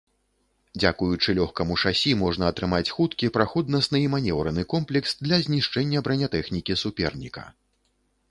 Дзякуючы лёгкаму шасі можна атрымаць хуткі, праходнасны і манеўраны комплекс для знішчэння бранятэхнікі суперніка.